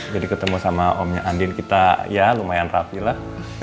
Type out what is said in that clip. jadi ketemu sama omnya andien kita ya lumayan rapi lah